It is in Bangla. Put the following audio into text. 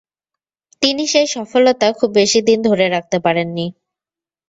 তিনি সেই সফলতা খুব বেশিদিন ধরে রাখতে পারেননি।